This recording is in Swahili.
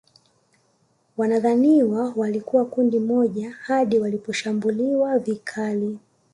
Wanadhaniwa walikuwa kundi moja hadi waliposhambuliwa vikali